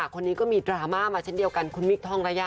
คนนี้ก็มีดราม่ามาเช่นเดียวกันคุณมิคทองระยะ